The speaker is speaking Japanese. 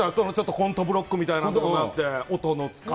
コントブロックみたいなのもあって。